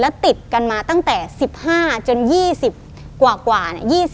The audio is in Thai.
ติดกันมาตั้งแต่๑๕จน๒๐กว่า